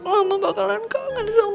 mama bakalan kangen sama mereka